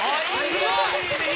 すごい！